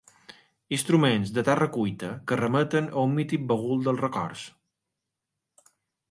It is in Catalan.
Instruments de terra cuita que remeten a un mític bagul dels records.